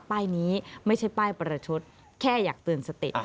ป้ายนี้ไม่ใช่ป้ายประชดแค่อยากเตือนสติ